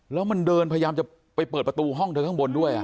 แล้วมันเดินพยายามจะไปเปิดประตูห้องเธอข้างบนด้วย